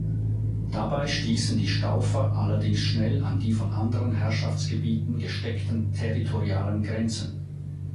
Dabei stießen die Staufer allerdings schnell an die von anderen Herrschaftsgebieten gesteckten territorialen Grenzen.